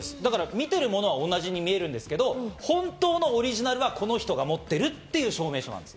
見てるものは同じなんですけど、本当のオリジナルはこの人が持ってるっていう証明書です。